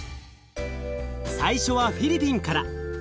最初はフィリピンから。